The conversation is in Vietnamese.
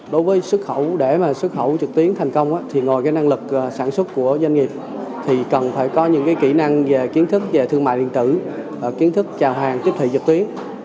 để xuất khẩu trực tuyến thành công thì ngồi cái năng lực sản xuất của doanh nghiệp thì cần phải có những kỹ năng về kiến thức về thương mại điện tử kiến thức trào hàng tiếp thị trực tuyến